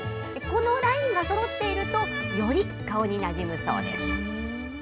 このラインがそろっていると、より顔になじむそうです。